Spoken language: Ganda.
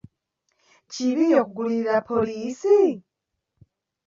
Kibi okugulirira poliisi?